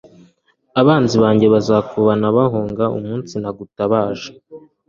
abanzi banjye bazakubana bahunga umunsi nagutabaje